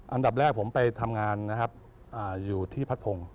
อันดับแรกผมไปทำงานนะครับอยู่ที่พัดพงศ์